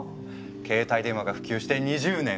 携帯電話が普及して２０年。